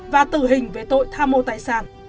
và tử hình về tội tha mô tài sản